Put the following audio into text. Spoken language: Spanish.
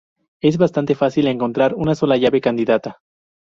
Es bastante fácil encontrar una sola llave candidata.